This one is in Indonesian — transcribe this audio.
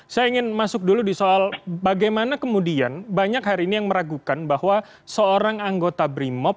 saya ingin masuk dulu di soal bagaimana kemudian banyak hari ini yang meragukan bahwa seorang anggota brimop